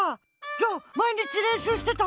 じゃあまいにちれんしゅうしてたの？